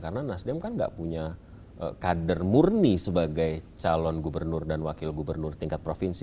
karena nasdem kan gak punya kader murni sebagai calon gubernur dan wakil gubernur tingkat provinsi